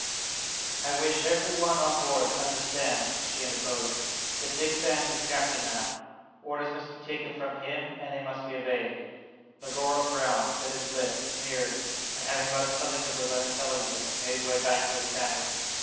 "I wish every one on board to understand," she interposed, "that Dick Sands is captain now. Orders must be taken from him, and they must be obeyed." Negoro frowned, bit his lip, sneered, and having muttered something that was unintelligible, made his way back to his cabin.